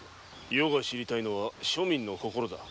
余が知りたいのは庶民の心だ。